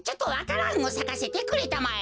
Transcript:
蘭をさかせてくれたまえ。